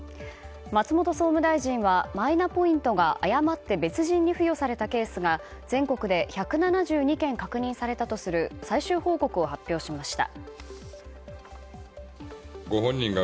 松本総務大臣はマイナポイントが誤って別人に付与されたケースが全国で１７２件確認されたとする最終報告を発表しました。